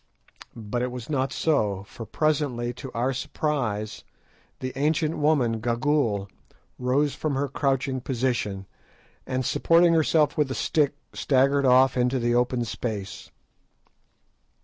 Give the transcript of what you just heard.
But it was not so, for presently, to our surprise, the ancient woman, Gagool, rose from her crouching position, and supporting herself with a stick, staggered off into the open space.